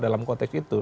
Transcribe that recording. dalam konteks itu